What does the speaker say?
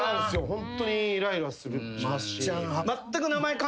ホントにイライラしますし。